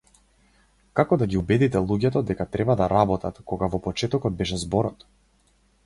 Како да ги убедите луѓето дека треба да работат, кога во почетокот беше зборот?